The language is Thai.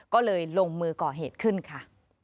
ก็เลยลงมือก่อเหตุขึ้นค่ะ